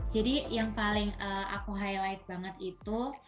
jadi yang paling aku highlight banget itu